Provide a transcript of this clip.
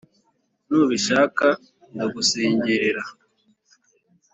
nubishaka ndagusengerera.